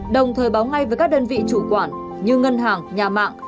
đồng thời báo ngay với các đơn vị chủ quản như ngân hàng nhà mạng